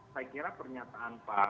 saya kira pernyataan pak